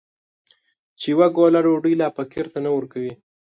چې يوه ګوله ډوډۍ لا فقير ته نه ورکوي.